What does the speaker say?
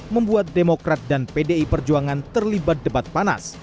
membuat demokrat dan pdi perjuangan terlibat debat panas